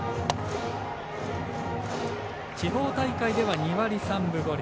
地方大会では２割３分５厘。